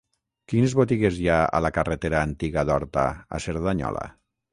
Quines botigues hi ha a la carretera Antiga d'Horta a Cerdanyola?